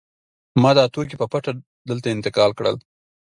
ما دا توکي په پټه دلته انتقال کړل